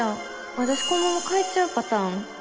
わたしこのまま帰っちゃうパターン？